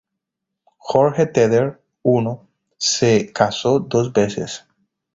Jorge Terter I se casó dos veces.